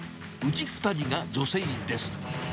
うち２人が女性です。